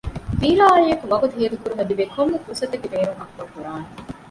ވީރާއާއިއެކު ވަގުތު ހޭދަކުރުމަށް ލިބޭ ކޮންމެ ފުރުސަތެއްގެ ބޭނުން އަކުމަލް ކުރާނެ